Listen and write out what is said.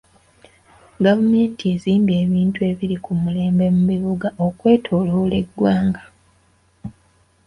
Gavumenti ezimbye ebintu ebiri ku mulembe mu bibuga okwetooloola eggwanga.